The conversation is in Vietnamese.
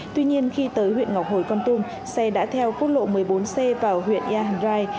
tuy nhiên khi tới huyện ngọc hồi con tum xe đã theo quốc lộ một mươi bốn c vào huyện yàng rai